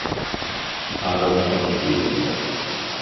Adolf von Schweden benannt.